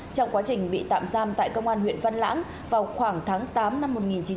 trong quá trình bị tạm giam tại công an huyện văn lãng vào khoảng tháng tám năm một nghìn chín trăm bảy mươi